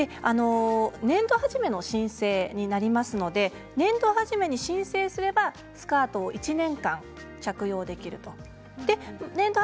年度始めの申請になりますので年度始めに申請をすればスカートを男子もはいても１年間着用できます。